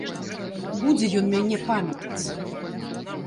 Будзе ён мяне памятаць.